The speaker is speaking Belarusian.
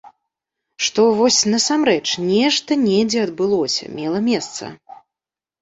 Што, вось, насамрэч нешта недзе адбылося, мела месца.